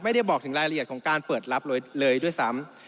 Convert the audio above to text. ไม่ได้บอกถึงรายละเอียดของการเปิดรับเลยด้วยซ้ำ